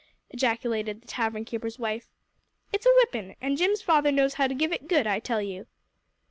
ejaculated the tavern keeper's wife. "It's a whipping, and Jim's father knows how to give it good, I tell you."